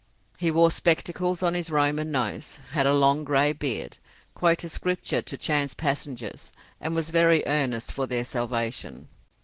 He wore spectacles on his Roman nose, had a long grey beard, quoted Scripture to chance passengers, and was very earnest for their salvation.